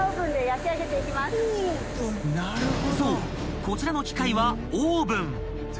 ［そうこちらの機械は］